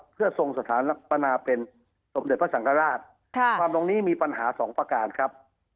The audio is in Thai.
เพื่อทรงสถานปนาเป็นสมเด็จพระสังฆราชความตรงนี้มีปัญหาสองประการครับ